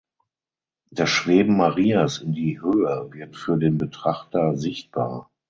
Das Schweben Marias in die Höhe wird für den Betrachter sichtbar.